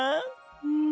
うん。